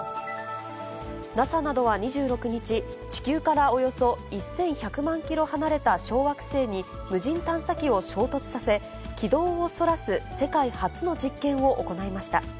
ＮＡＳＡなどは２６日、地球からおよそ１１００万キロ離れた小惑星に、無人探査機を衝突させ、軌道をそらす世界初の実験を行いました。